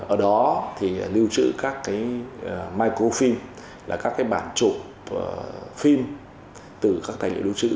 ở đó lưu trữ các microfilm các bản chụp phim từ các tài liệu lưu trữ